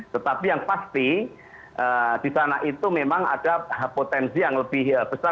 tetapi yang pasti di sana itu memang ada potensi yang lebih besar